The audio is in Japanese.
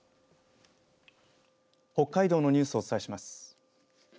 北海道のニュースをお伝えします。